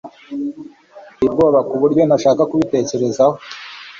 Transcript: Biteye ubwoba kuburyo ntashaka kubitekereza